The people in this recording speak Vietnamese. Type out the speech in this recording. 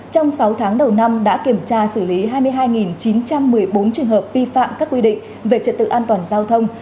trong sáu tháng đầu năm đã kiểm tra xử lý hai mươi hai chín trăm một mươi bốn trường hợp vi phạm các quy định về trật tự an toàn giao thông